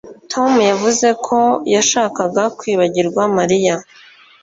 Tom yavuze ko yashakaga kwibagirwa Mariya